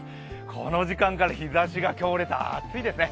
この時間から日ざしが強烈暑いですね。